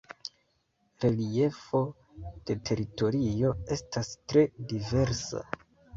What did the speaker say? Reliefo de teritorio estas tre diversa.